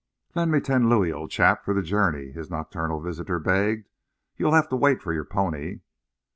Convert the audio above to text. "Lend me ten louis, old chap, for the journey," his nocturnal visitor begged. "You'll have to wait for your pony."